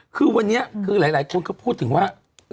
คือวันนี้คือหลายคนก็พูดถึงว่า